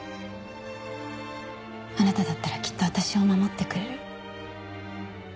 あなただったらきっと私を守ってくれる。